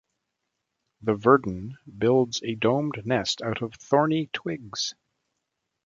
The verdin builds a domed nest out of thorny twigs.